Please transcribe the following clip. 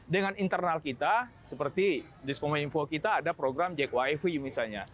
dengan internal kita seperti diskom info kita ada program jack wifi misalnya